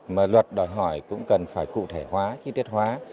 mà luật đòi hỏi cũng cần phải cụ thể hóa chi tiết hóa